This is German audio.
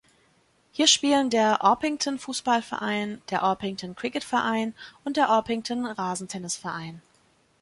Hier spielen der Orpington Fußballverein, der Orpington Kricketverein und der Orpington Rasentennisverein.